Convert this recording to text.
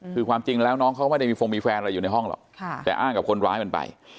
คือความจริงแล้วน้องเขาไม่ได้มีฟงมีแฟนอะไรอยู่ในห้องหรอกแต่อ้างกับคนร้ายมันไป